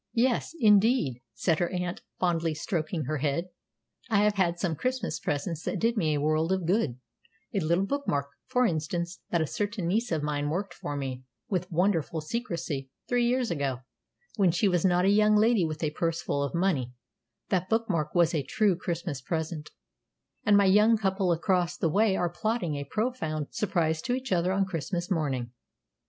"Yes, indeed," said her aunt, fondly stroking her head. "I have had some Christmas presents that did me a world of good a little book mark, for instance, that a certain niece of mine worked for me, with wonderful secrecy, three years ago, when she was not a young lady with a purse full of money that book mark was a true Christmas present; and my young couple across the way are plotting a profound surprise to each other on Christmas morning.